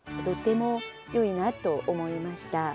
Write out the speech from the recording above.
とてもよいなと思いました。